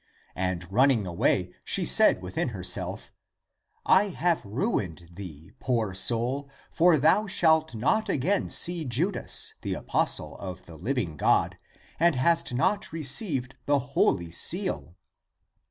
And running away, she said within herself, " I have ru ined thee, poor soul, for thou shalt not again see Judas, the apostle of the living God, and hast not received the holy seal."